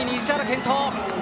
健闘！